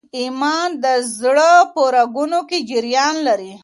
ایمان د زړه په رګونو کي جریان لري.